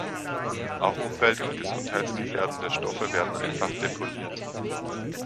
Auch umwelt- und gesundheitsgefährdende Stoffe werden einfach deponiert.